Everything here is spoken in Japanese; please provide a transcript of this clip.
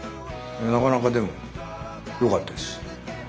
なかなかでもよかったですはい。